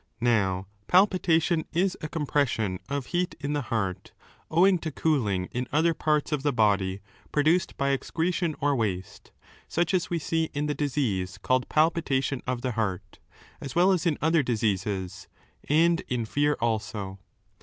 2 Now, palpitation is a compression of heat in the heart, owing to cooling in other parts of the body produced by excretion or waste, such as we see in the disease called palpitation of the heart, as well as in other diseases, and in fear also.